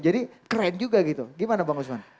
jadi keren juga gitu gimana bang gusman